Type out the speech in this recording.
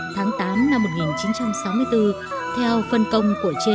tháng tám năm một nghìn chín trăm sáu mươi bốn theo phân công của trên